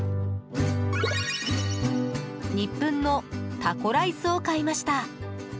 ニップンのタコライスを買いました。